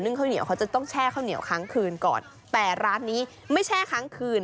ข้าวเหนียวเขาจะต้องแช่ข้าวเหนียวครั้งคืนก่อนแต่ร้านนี้ไม่แช่ค้างคืน